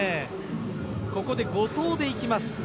ここで後藤で行きます。